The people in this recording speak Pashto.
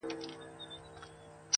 سپیني سپوږمۍ حال راته وایه!.